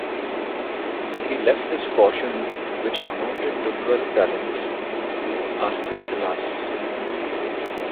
He left his fortune, which amounted to twelve talents, to Arcesilaus.